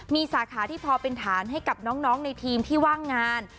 มีสาขาที่พอเป็นฐานให้กับน้องในทีมที่ว่างงาน